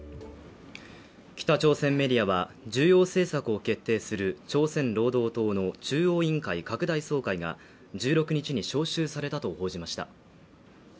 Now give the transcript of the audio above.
北朝鮮メディアは重要政策を決定する朝鮮労働党の中央委員会拡大総会が１６日に招集されたと報じました。